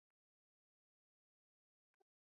寺内还有樱木町事故和鹤见事故的慰灵碑。